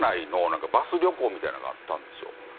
みたいなのがあったんですよ。